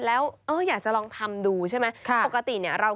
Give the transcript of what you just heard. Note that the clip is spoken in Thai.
คือของกระดาษธรรมดา